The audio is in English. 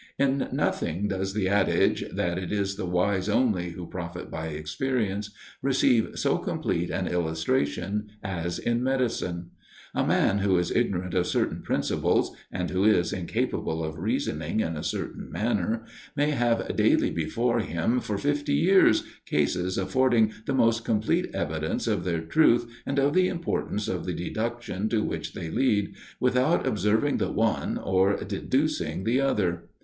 In nothing does the adage, that it is the wise only who profit by experience, receive so complete an illustration as in medicine. A man who is ignorant of certain principles, and who is incapable of reasoning in a certain manner, may have daily before him for fifty years cases affording the most complete evidence of their truth, and of the importance of the deduction to which they lead, without observing the one, or deducing the other.